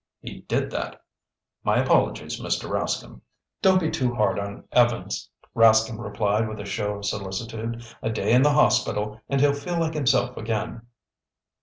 "He did that. My apologies, Mr. Rascomb." "Don't be too hard on Evans," Rascomb replied with a show of solicitude. "A day in the hospital and he'll feel like himself again."